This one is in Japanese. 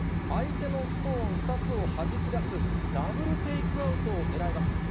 相手のストーン２つをはじき出すダブルテイクアウトを狙います。